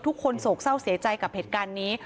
โศกเศร้าเสียใจกับเหตุการณ์นี้